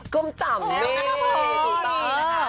ก้มต่ำนี่ถูกตอบ